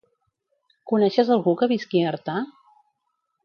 Coneixes algú que visqui a Artà?